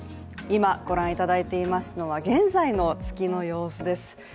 今、ご覧いただいていますのは現在の月の様子です。